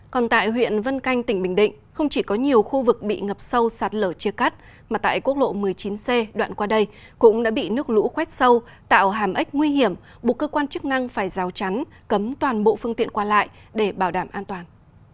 còn tại huyện vân canh tỉnh bình định không chỉ có nhiều khu vực bị ngập sâu sạt lở chia cắt mà tại quốc lộ một mươi chín c đoạn qua đây cũng đã bị nước lũ khoét sâu tạo hàm ếch nguy hiểm buộc cơ quan chức năng phải rào chắn cấm toàn bộ phương tiện qua lại để bảo đảm an toàn